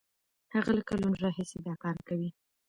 هغه له کلونو راهیسې دا کار کوي.